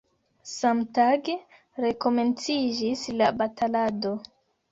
Samtage rekomenciĝis la batalado.